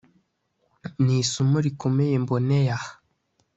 ni isomo rikomeye mboneye aha